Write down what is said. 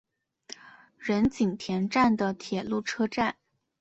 仁井田站的铁路车站。